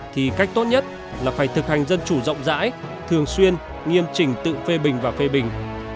thì cách tốt nhất là phải thực hành dân chủ rộng rãi thường xuyên nghiêm trình tự phê bình và phê bình